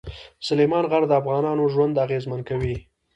سلیمان غر د افغانانو ژوند اغېزمن کوي.